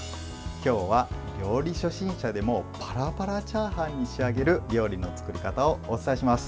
今日は料理初心者でもパラパラチャーハンに仕上げる料理の作り方をお伝えします。